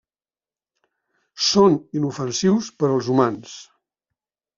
Són inofensius per als humans.